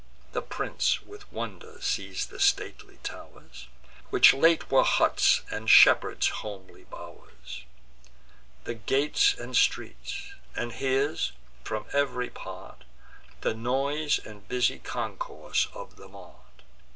The prince with wonder sees the stately tow'rs, Which late were huts and shepherds' homely bow'rs, The gates and streets; and hears, from ev'ry part, The noise and busy concourse of the mart.